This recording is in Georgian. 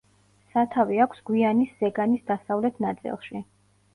სათავე აქვს გვიანის ზეგანის დასავლეთ ნაწილში.